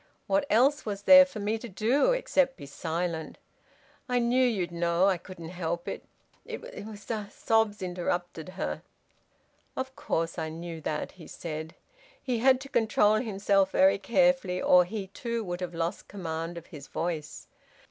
What else was there for me to do except be silent? I knew you'd know I couldn't help it. It was a " Sobs interrupted her. "Of course I knew that," he said. He had to control himself very carefully, or he too would have lost command of his voice.